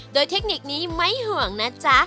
โดยเทคนิคนี้ไม่ห่วงนะจ๊ะ